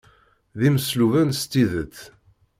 D imesluben s tidet.